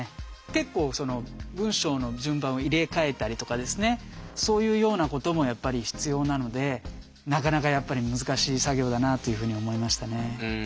結構文章の順番を入れ替えたりとかですねそういうようなこともやっぱり必要なのでなかなかやっぱり難しい作業だなというふうに思いましたね。